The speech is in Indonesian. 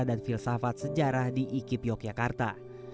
dan filsafat sejarah di ikip yogyakarta